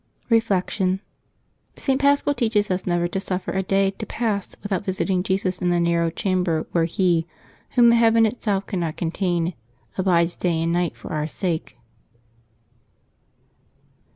Reflection. — St. Paschal teaches us never to suffer a day to pass without visiting Jesus in the narrow chamber where He, Whom the heaven itself cannot contain, abides day and night for our sake.